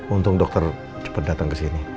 untung dokter cepat datang kesini